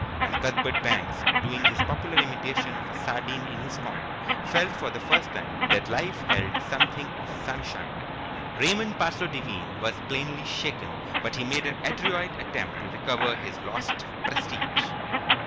And Cuthbert Banks, doing his popular imitation of a sardine in his corner, felt for the first time that life held something of sunshine. Raymond Parsloe Devine was plainly shaken, but he made an adroit attempt to recover his lost prestige.